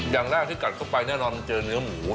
อย่างแรกที่กัดเข้าไปแน่นอนมันเจอเนื้อหมู